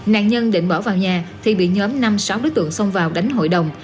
nạn nhân định bỏ vào nhà thì bị nhóm năm sáu đối tượng xông vào đánh hội đồng